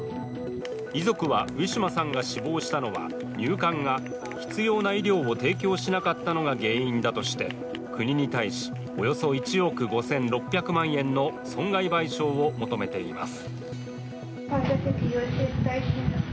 遺族はウィシュマさんが死亡したのは入管が必要な医療を提供しなかったのが原因だとして国に対しおよそ１億５６００万円の損害賠償を求めています。